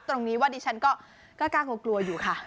ตรงนี้ว่าดิฉันก็กล้ากลัวอยู่ค่ะ